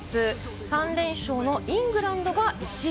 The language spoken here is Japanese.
３連勝のイングランドが１位。